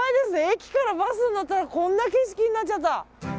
駅からバスに乗ったらこんな景色になっちゃった。